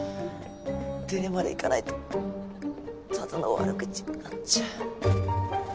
デレまでいかないとただの悪口になっちゃう。